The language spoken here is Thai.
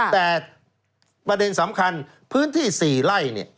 แต่ประเด็นสำคัญพื้นที่๔ไร่